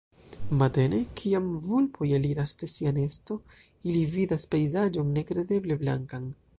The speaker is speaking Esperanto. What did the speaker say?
Matene, kiam vulpoj eliras de sia nesto, ili vidas pejzaĝon nekredeble blankan.